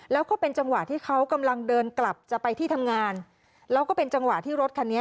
แล้วก็เป็นจังหวะที่เขากำลังเดินกลับจะไปที่ทำงานแล้วก็เป็นจังหวะที่รถคันนี้